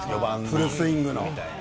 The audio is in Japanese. フルスイング。